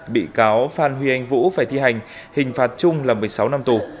bị cáo phan huy anh vũ phải thi hành hình phạt chung là một mươi sáu năm tù